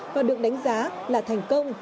và được đánh giá là thành công